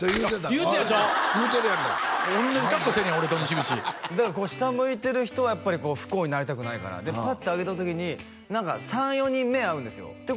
言うてるやんかおんなじ格好してるやん俺と西口下向いてる人はやっぱり不幸になりたくないからでパッと上げた時に何か３４人目合うんですよて